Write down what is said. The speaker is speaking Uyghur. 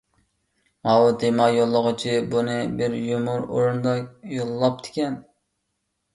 ماۋۇ تېما يوللىغۇچى بۇنى بىر يۇمۇر ئورنىدا يوللاپتىكەن.